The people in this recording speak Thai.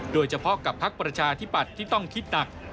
โดยเฉพาะกับพักประชาธิปัตย์ที่ต้องคิดหนัก